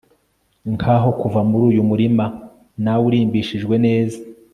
nkaho kuva muri uyu murima nawe urimbishijwe neza